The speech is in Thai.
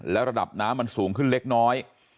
และระดับน้ำมันสูงขึ้นเล็กน้อย